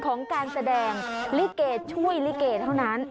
ของการแสดงลิเกช่วยลิเกเท่านั้น